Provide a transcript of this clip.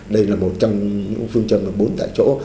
đây là một trong những phương châm bốn tại chỗ